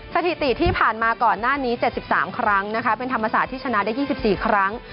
สถิติที่ผ่านมาก่อนหน้านี้๗๓ครั้งนะคะเป็นธรรมศาสตร์ที่ชนะได้๒๔ครั้ง